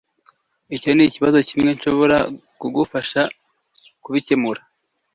Icyo nikibazo kimwe nshobora kugufasha kubikemura